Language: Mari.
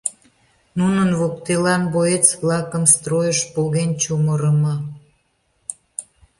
Нунын воктелан боец-влакым стройыш поген чумырымо.